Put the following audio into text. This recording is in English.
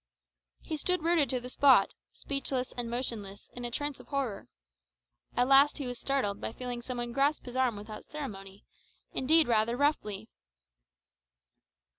He stood rooted to the spot, speechless and motionless, in a trance of horror. At last he was startled by feeling some one grasp his arm without ceremony, indeed rather roughly.